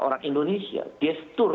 orang indonesia gestur